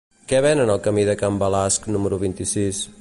Què venen al camí de Can Balasc número vint-i-sis?